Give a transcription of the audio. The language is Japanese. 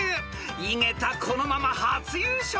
［井桁このまま初優勝か？］